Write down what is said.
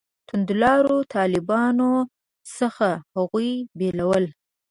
توندلارو طالبانو څخه هغوی بېلول.